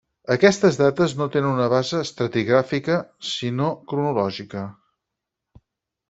Aquestes dates no tenen una base estratigràfica sinó cronològica.